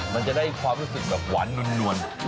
มันจะได้ความรู้สึกแบบหวานนวล